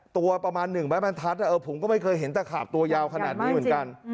ตัวประมาณ๑ไม้บรรทัศน์ผมก็ไม่เคยเห็นตะขาบตัวยาวขนาดนี้เหมือนกัน